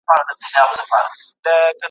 خپل پس انداز په مولدو برخو کي مصرف کړئ.